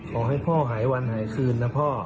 ขอให้พ่อหายวันหายคืนนะพ่อ